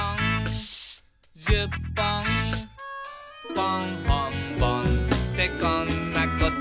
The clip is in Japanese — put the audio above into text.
「ぽんほんぼんってこんなこと」